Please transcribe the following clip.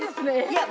いや。